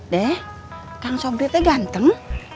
dede kang sobretnya ganteng